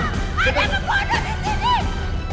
ada pembunuh disini